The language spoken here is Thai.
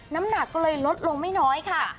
น้ำหนักก็เลยลดลงไม่น้อยค่ะ